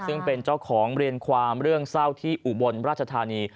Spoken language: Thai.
ซึ่งเป็นเจ้าของเรียนความเรื่องเศร้าที่อุบลราชธานี